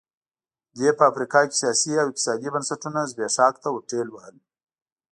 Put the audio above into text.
دې په افریقا کې سیاسي او اقتصادي بنسټونه زبېښاک ته ورټېل وهل.